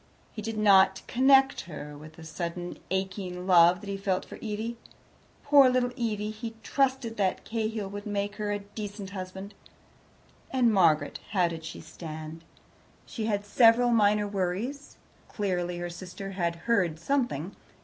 He did not connect her with the sudden aching love that he felt for Evie. Poor little Evie! he trusted that Cahill would make her a decent husband. And Margaret? How did she stand? She had several minor worries. Clearly her sister had heard something.